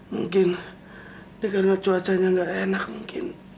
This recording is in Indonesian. mungkin karena cuacanya nggak enak mungkin